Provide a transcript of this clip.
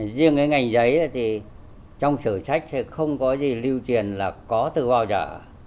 riêng ngành giấy thì trong sử sách không có gì lưu truyền là có từ bao giờ